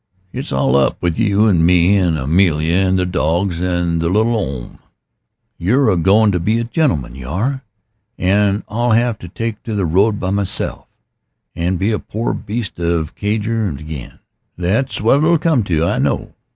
It's all up with you and me and Amelia and the dogs and the little 'ome. You're a goin' to be a gentleman, you are an' I'll have to take to the road by meself and be a poor beast of a cadger again. That's what it'll come to, I know."